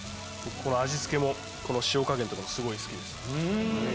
味付けも塩加減とかもすごい好きです。